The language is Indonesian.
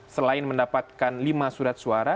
selain mendapatkan lima surat suara